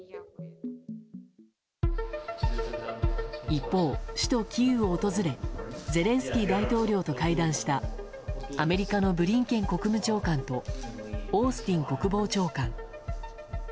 一方、首都キーウを訪れゼレンスキー大統領と会談したアメリカのブリンケン国務長官とオースティン国防長官。